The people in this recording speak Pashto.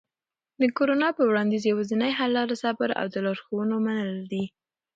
د کرونا په وړاندې یوازینی حل لاره صبر او د لارښوونو منل دي.